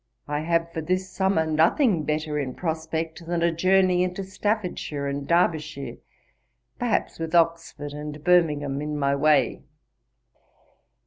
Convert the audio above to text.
I have for this summer nothing better in prospect than a journey into Staffordshire and Derbyshire, perhaps with Oxford and Birmingham in my way.